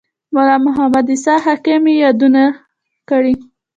ملا محمد عیسی حکیم یې یادونه کړې.